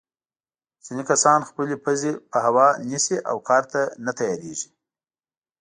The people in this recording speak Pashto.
ځینې کسان خپلې پزې په هوا نیسي او کار ته نه تیارېږي.